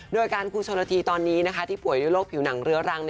โดยการครูชวนละทีตอนนี้นะคะที่ผ่วยโรคผิวหนังเรื้อรัง